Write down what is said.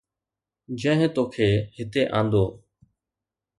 جنهن توکي هتي آندو